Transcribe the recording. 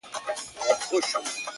ټول بکواسیات دي ـ